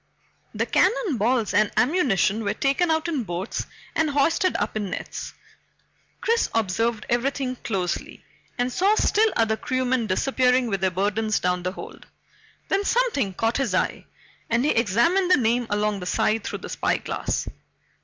The cannon balls and ammunition were taken out in boats and hoisted up in nets. Chris observed everything closely, and saw still other crewmen disappearing with their burdens down the hold. Then something caught his eye and he examined the name along the side through the spyglass.